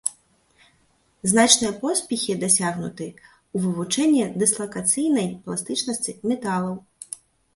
Значныя поспехі дасягнуты ў вывучэнні дыслакацыйнай пластычнасці металаў.